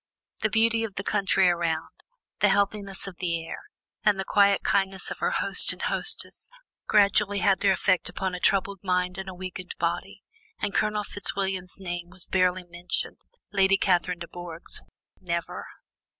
The beauty of the country around, the healthiness of the air, and the quiet kindness of her host and hostess, gradually had their effect upon a troubled mind and a weakened body; and Colonel Fitzwilliam's name was barely mentioned, Lady Catherine de Bourgh's never.